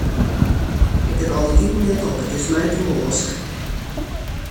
Ik kin al dat iten net op, it is my te mânsk.